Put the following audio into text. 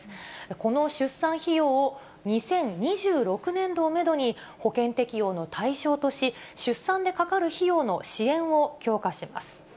この出産費用を２０２６年度をメドに、保険適用の対象とし、出産でかかる費用の支援を強化します。